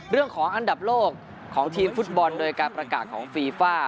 เรื่องของอันดับโลกของทีมฟุตบอลโดยการประกาศของฟีฟ่า